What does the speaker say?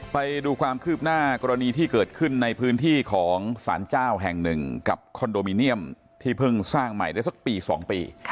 ไปดูความคืบหน้ากรณีที่เกิดขึ้นในพื้นที่ของสารเจ้าแห่งหนึ่งกับคอนโดมิเนียมที่เพิ่งสร้างใหม่ได้สักปี๒ปี